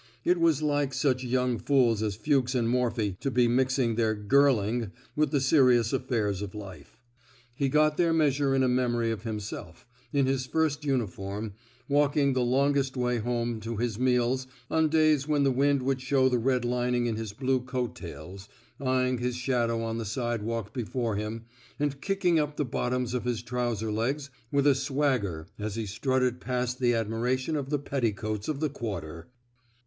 It was like such young fools as Fuchs and Morphy to be mixing their girling ^* with the serious affairs of life. He got their measure in a memory of himself, in his first uniform, walking the longest way home to his meals on days when the wind would show the red lining in his blue coat tails, eying his shadow on the sidewalk before him, and kicking up the bottoms of his trouser legs with a swagger as he strut ted past the admiration of the petticoats of the quarter.